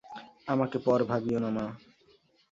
আমাকে পর ভাবিয়ো না মা!